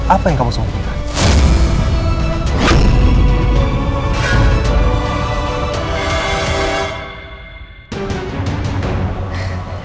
apa yang kamu sembunyiin